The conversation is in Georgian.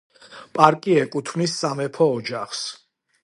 პარკი ეკუთვნის სამეფო ოჯახს.